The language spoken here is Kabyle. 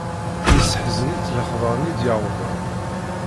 Yesseḥzen-itt lexber-nni d-yewwḍen.